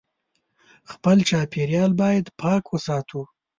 خپل چاپېریال باید پاک وساتو